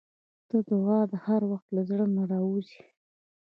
• ته د دعا هر وخت له زړه نه راووځې.